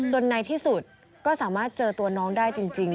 ในที่สุดก็สามารถเจอตัวน้องได้จริง